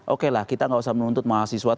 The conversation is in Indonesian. oke lah kita nggak usah menuntut mahasiswa